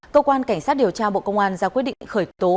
cơ quan cảnh sát điều tra bộ công an ra quyết định khởi tố